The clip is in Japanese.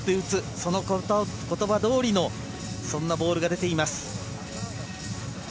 その言葉どおりのそんなボールが出ています。